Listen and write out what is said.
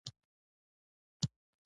موږ د غره له سره ښکته شوو.